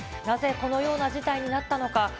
なぜこのような事態になったのか。